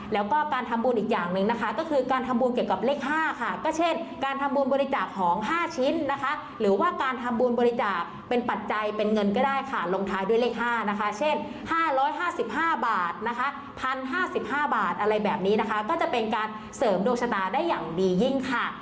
แล้วก็การทำบุญอีกอย่างหนึ่งนะคะก็คือการทำบุญเกี่ยวกับเลข๕ค่ะก็เช่นการทำบุญบริจาคของ๕ชิ้นนะคะหรือว่าการทำบุญบริจาคเป็นปัจจัยเป็นเงินก็ได้ค่ะลงท้ายด้วยเลข๕นะคะเช่น๕๕บาทนะคะ๑๐๕๕บาทอะไรแบบนี้นะคะก็จะเป็นการเสริมดวงชะตาได้อย่างดียิ่งค่ะ